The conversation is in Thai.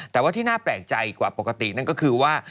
แต่ว่าที่น่าแปลกใจกว่าปกตินั่นก็คือว่า